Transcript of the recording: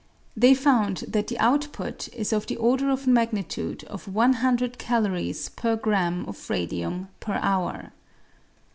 They found that the out put is of the order of magnitude of 100 calories per grm. of radium per hour.